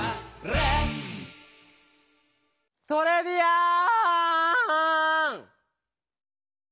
トレビアーン！